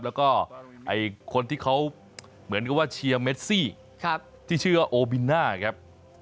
แล้วก็คนที่เขาเชียร์เมซี่ที่ชื่อโอบิน่าครับ